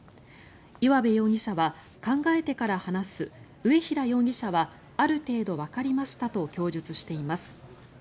岩部容疑者は考えてから話す上平容疑者はある程度わかりましたと供述しています。